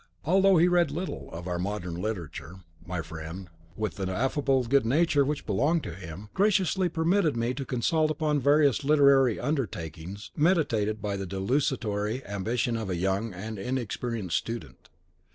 Although he read little of our modern literature, my friend, with the affable good nature which belonged to him, graciously permitted me to consult him upon various literary undertakings meditated by the desultory ambition of a young and inexperienced student.